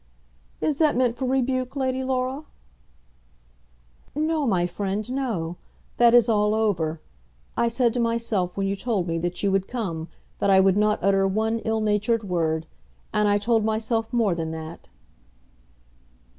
"Is that meant for rebuke, Lady Laura?" "No, my friend; no. That is all over. I said to myself when you told me that you would come, that I would not utter one ill natured word. And I told myself more than that!"